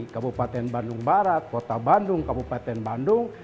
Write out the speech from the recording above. kabupaten bandung barat kota bandung kabupaten bandung